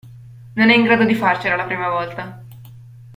Non è in grado di farcela la prima volta.